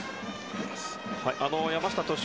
山下投手